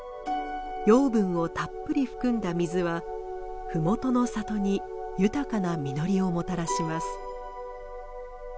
養分をたっぷり含んだ水は麓の里に豊かな実りをもたらします。